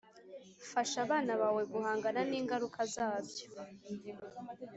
Fasha abana bawe guhangana ningaruka zabyo